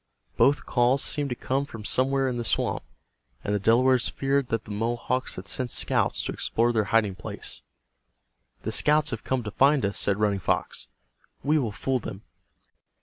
Both calls seemed to come from somewhere in the swamp, and the Delawares feared that the Mohawks had sent scouts to explore their hiding place. "The scouts have come to find us," said Running Fox. "We will fool them."